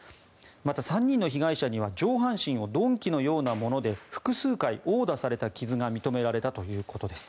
また、３人の被害者には上半身を鈍器のようなもので複数回殴打された傷が認められたということです。